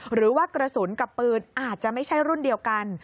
หรือว่ากระสุนกับปืนอาจจะไม่ใช่รุ่นเดียวกัน